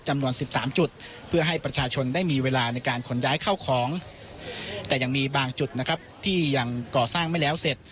จำนวน๑๓จุดเพื่อให้ประชาชนได้มีเวลาในการขนย้ายเข้าของแต่ยังมีบางจุดนะครับที่ยังก่อสร้างไม่แล้วเสร็จ